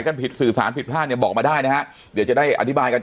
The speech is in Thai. บอกไหนก็ผิดศึกษาผิดผ้าบอกมาได้นะคะเดี๋ยวจะได้อธิบายกัน